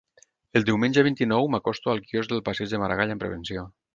El diumenge vint-i-nou m'acosto al quiosc del passeig de Maragall amb prevenció.